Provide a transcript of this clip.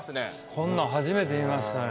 こんなん初めて見ましたね。